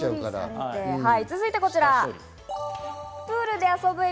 続いてこちら。